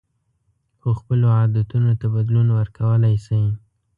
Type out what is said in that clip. خو خپلو عادتونو ته بدلون ورکولی شئ.